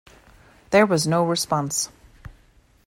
There was no response.